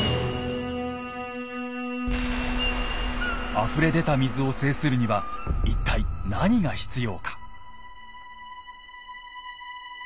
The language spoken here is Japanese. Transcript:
あふれ出た水を制するには一体何が必要か。